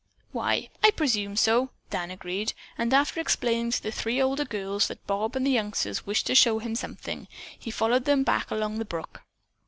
"Why, I presume so," Dan agreed, and after explaining to the three older girls that Bob and the youngsters wished to show him something, he followed them back along the brook.